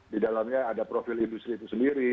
di dalamnya ada profil industri itu sendiri